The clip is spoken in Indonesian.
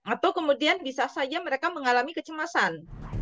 atau kemudian bisa saja mereka mengalami kecemasan